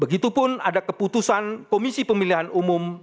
begitupun ada keputusan komisi pemilihan umum